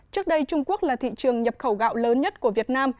trước đây trung quốc là thị trường nhập khẩu gạo lớn nhất của việt nam